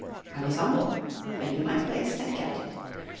I was humble. I knew my place, and kept it.